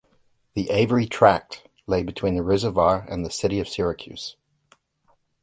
The "Avery Tract" lay between the reservoir and the City of Syracuse.